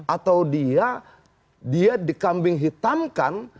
atau dia dikambing hitamkan